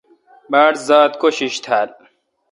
باڑ ذات کوشش تھال۔